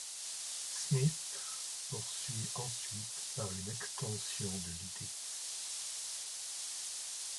Smith poursuit ensuite par une extension de l'idée.